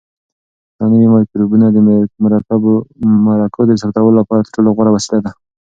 دا نوی مایکروفون د مرکو د ثبتولو لپاره تر ټولو غوره وسیله ده.